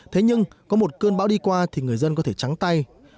thế nhưng có một cơn bão đi qua thì người dân có thể trắng tay